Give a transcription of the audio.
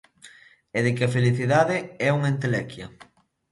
E de que a "felicidade" é unha entelequia.